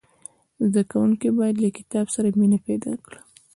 زدهکوونکي باید له کتاب سره مینه پیدا کړي.